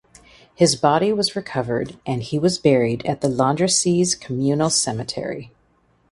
His body was recovered and he was buried at the Landrecies Communal Cemetery.